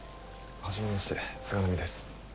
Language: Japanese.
初めまして菅波です。